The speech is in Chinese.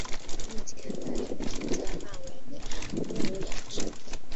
目前在全世界范围内都有养殖。